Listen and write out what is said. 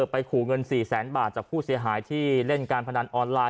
ไปขู่เงิน๔แสนบาทจากผู้เสียหายที่เล่นการพนันออนไลน